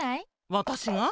わたしが？